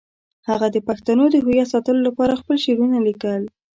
هغه د پښتنو د هویت ساتلو لپاره خپل شعرونه لیکل.